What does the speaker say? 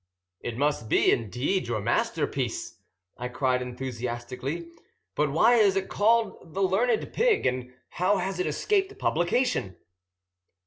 "It must be, indeed, your masterpiece," I cried enthusiastically. "But why is it called The Learned Pig, and how has it escaped publication?"